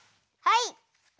はい！